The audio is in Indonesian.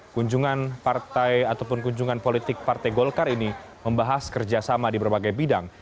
kunjungan partai ataupun kunjungan politik partai golkar ini membahas kerjasama di berbagai bidang